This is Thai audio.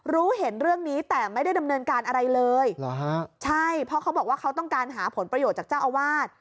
รู้เห็นเรื่องนี้แต่ไม่ได้ดำเนินการอะไรเลยใช่เพราะเขาบอกว่าเขาต้องการหาผลประโยชน์จากเจ้าอาวาส